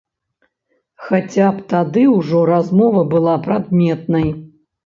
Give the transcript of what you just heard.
Хаця б тады ўжо размова была прадметнай.